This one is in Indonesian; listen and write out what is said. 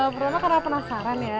pertama karena penasaran ya